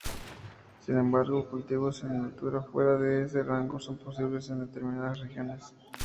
Sin embargo, cultivos en altura fuera de ese rango son posibles en determinadas regiones.